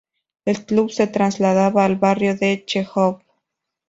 El club se trasladaba al barrio de Chejov.